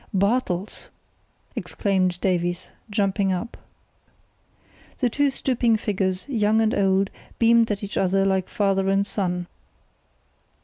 "Bartels!" exclaimed Davies, jumping up. The two stooping figures, young and old, beamed at one another like father and son.